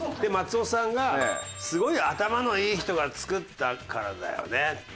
松尾さんが「すごい頭のいい人が作ったからだよね」。